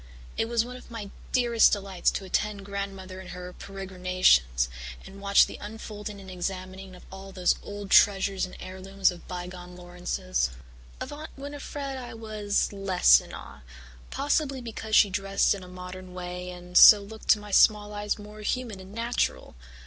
It was one of my dearest delights to attend Grandmother in her peregrinations and watch the unfolding and examining of all those old treasures and heirlooms of bygone Laurances. Of Aunt Winnifred I was less in awe, possibly because she dressed in a modern way and so looked to my small eyes more human and natural.